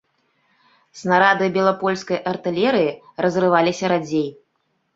Снарады белапольскай артылерыі разрываліся радзей.